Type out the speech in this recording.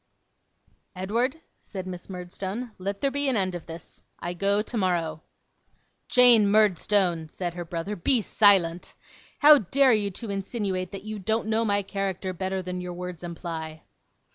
'Edward,' said Miss Murdstone, 'let there be an end of this. I go tomorrow.' 'Jane Murdstone,' said her brother, 'be silent! How dare you to insinuate that you don't know my character better than your words imply?